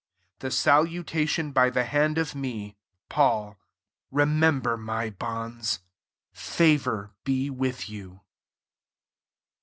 18 The salutation by the hand of me Paul. Remember my bonds. Favour be with you.